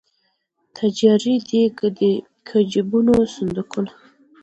تجرۍ دي که جېبونه صندوقونه